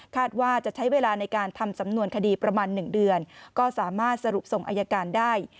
ว่าจะใช้เวลาในการทำสำนวนคดีประมาณ๑เดือนก็สามารถสรุปส่งอายการได้